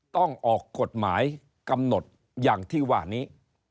ต้องออกกฎหมายกำหนดอย่างที่ว่านี้